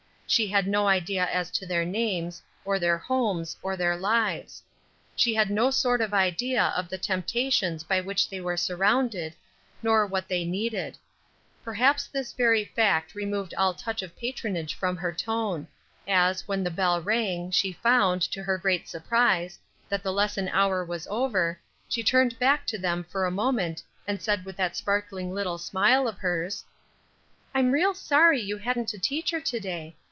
She had no idea as to their names, or their homes, or their lives. She had no sort of idea of the temptations by which they were surrounded, nor what they needed. Perhaps this very fact removed all touch of patronage from her tone; as, when the bell rang, she found, to her great surprise, that the lesson hour was over, she turned back to them for a moment and said with that sparkling little smile of hers: "I'm real sorry you hadn't a teacher to day.